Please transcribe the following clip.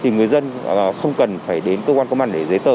người dân không cần phải đến cơ quan công an để giấy tờ